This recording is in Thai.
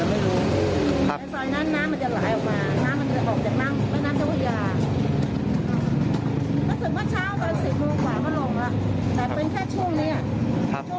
แล้วไม่รู้ครับในซอยนั้นน้ำมันจะหลายออกมาน้ำมันจะออกจากน้ำแม่น้ำเจ้าพยา